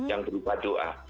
jangan lupa doa